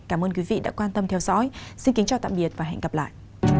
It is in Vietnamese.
cảm ơn quý vị đã quan tâm theo dõi xin kính chào tạm biệt và hẹn gặp lại